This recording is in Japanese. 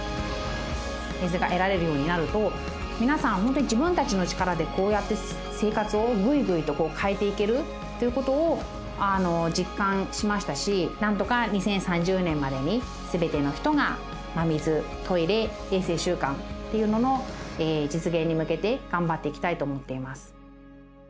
水が得られるようになると皆さん自分たちの力でこうやって生活をぐいぐいと変えていけるということを実感しましたしなんとか２０３０年までに全ての人が水トイレ衛生習慣っていうのの実現に向けて頑張っていきたいと思っています。